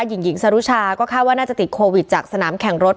หญิงหญิงสรุชาก็คาดว่าน่าจะติดโควิดจากสนามแข่งรถ